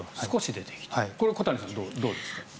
これは小谷さん、どうですか？